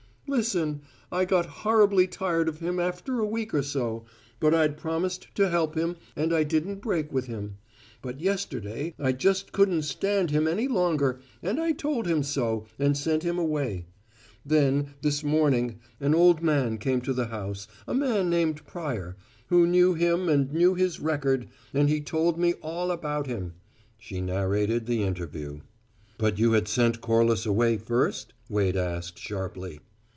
"Listen. I got horribly tired of him after a week or so, but I'd promised to help him and I didn't break with him; but yesterday I just couldn't stand him any longer and I told him so, and sent him away. Then, this morning, an old man came to the house, a man named Pryor, who knew him and knew his record, and he told me all about him." She narrated the interview. "But you had sent Corliss away first?" Wade asked, sharply.